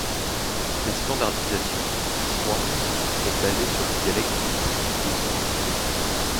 La standardisation du zhuang est basée sur le dialecte du district de Wuming.